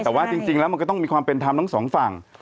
แต่ว่าจริงแล้วมันก็ต้องมีความเป็นธรรมทั้งสองฝั่ง